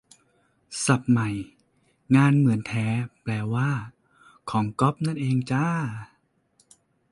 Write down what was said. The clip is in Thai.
ศัพท์ใหม่ "งานเหมือนแท้" แปลว่า "ของก๊อป" นั่นเองจ้า